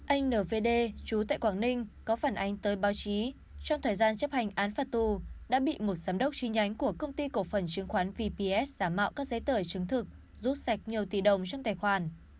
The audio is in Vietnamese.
anh nvd chú tại quảng ninh có phản ánh tới báo chí trong thời gian chấp hành án phạt tù đã bị một giám đốc tri nhánh của công ty cổ phần chứng khoán vps giả mạo các giấy tờ chứng thực giúp sạch nhiều tỷ đồng trong tài khoản